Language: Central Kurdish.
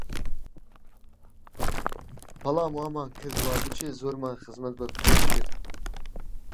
بەڵام وامان کرد، وا بچێ، زۆرمان خزمەت بە کورد کرد